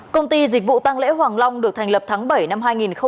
công ty dịch vụ tăng lễ hoàng long được thành lập tháng bảy năm hai nghìn một mươi bảy